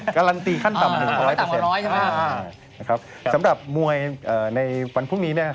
การันตีขั้นต่ำ๑๐๐สำหรับมวยในวันพรุ่งนี้